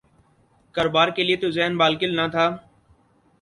کاروبار کیلئے تو ذہن بالکل نہ تھا۔